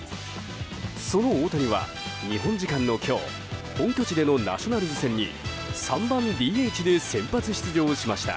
その大谷は、日本時間の今日本拠地でのナショナルズ戦に３番ＤＨで先発出場しました。